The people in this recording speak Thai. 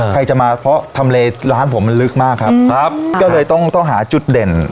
ใครจะมาเพราะทำเลร้านผมมันลึกมากครับครับก็เลยต้องต้องหาจุดเด่น